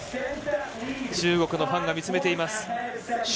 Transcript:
中国のファンが見つめています。